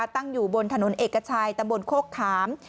ตั้งอยู่บนถนนเอกชัยตำบลโคกขาม